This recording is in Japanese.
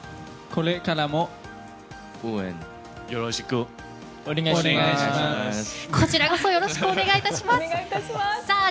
こちらこそよろしくお願いいたします。